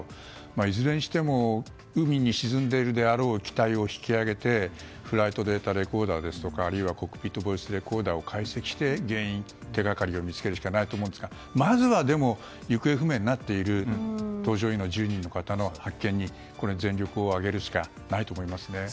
いずれにしても海に沈んでいるであろう機体を引き揚げてフライトで得たレコーダーですとかあるいはコックピットボイスレコーダーを解析して原因、手がかりを見つけるしかないと思うんですがまずは行方不明になっている搭乗員の１０人の方の発見に全力を挙げるしかないと思います。